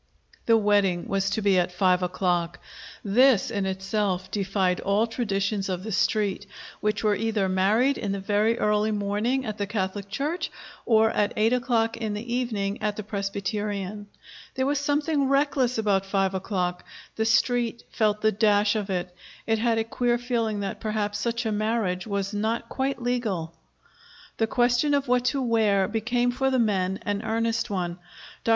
The wedding was to be at five o'clock. This, in itself, defied all traditions of the Street, which was either married in the very early morning at the Catholic church or at eight o'clock in the evening at the Presbyterian. There was something reckless about five o'clock. The Street felt the dash of it. It had a queer feeling that perhaps such a marriage was not quite legal. The question of what to wear became, for the men, an earnest one. Dr.